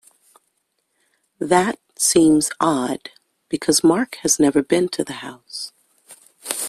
That seems odd because Mark has never been to the house.